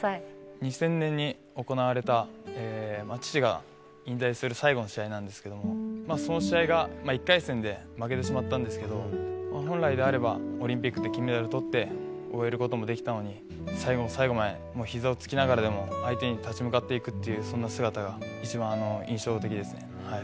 ２０００年に行われた、父が引退する最後の試合なんですけれども、その試合が、１回戦で負けてしまったんですけど、本来であれば、オリンピックで金メダルをとって終えることもできたのに、最後の最後まで、ひざをつきながらでも相手に立ち向かっていくっていう、そんな姿が印象的ですね。